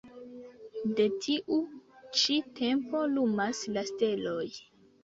De tiu ĉi tempo lumas la steloj.